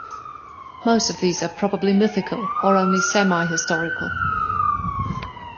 Most of these are probably mythical or only semi-historical.